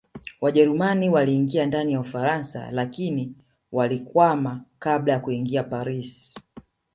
Wajerumani waliingia ndani ya Ufaransa lakini walikwama kabla ya kuingia Paris